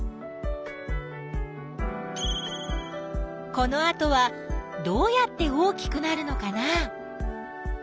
このあとはどうやって大きくなるのかな？